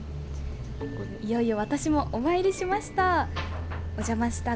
いよいよ私もお参りしました。